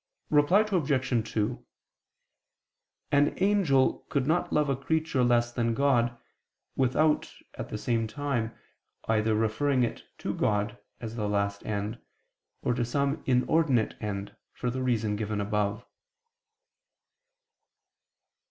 Reply Obj. 2: An angel could not love a creature less than God, without, at the same time, either referring it to God, as the last end, or to some inordinate end, for the reason given above.